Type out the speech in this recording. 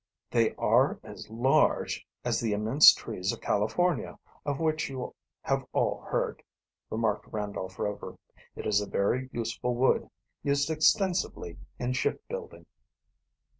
"They are as large as the immense trees of California of which you have all heard," remarked Randolph Rover. "It is a very useful wood, used extensively in ship building."